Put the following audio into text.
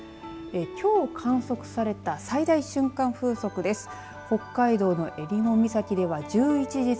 きょう観測された最大瞬間風速です。